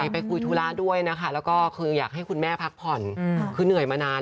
ไปคุยธุระด้วยนะคะแล้วก็คืออยากให้คุณแม่พักผ่อนคือเหนื่อยมานาน